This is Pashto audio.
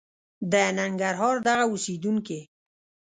د ننګرهار دغه اوسېدونکي